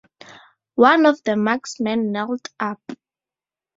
One of the marksmen knelt up.